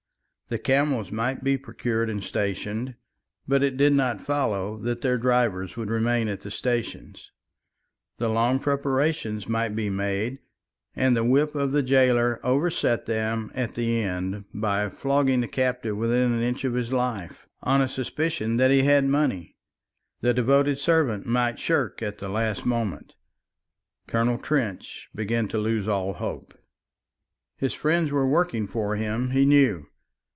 The camels might be procured and stationed, but it did not follow that their drivers would remain at the stations; the long preparations might be made and the whip of the gaoler overset them at the end by flogging the captive within an inch of his life, on a suspicion that he had money; the devoted servant might shrink at the last moment. Colonel Trench began to lose all hope. His friends were working for him, he knew.